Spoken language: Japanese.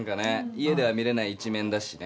家では見れない一面だしね。